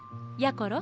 ころ。